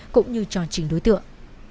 cũng như cho chính đối tượng